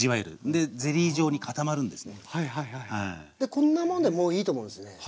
こんなもんでもういいと思うんすね。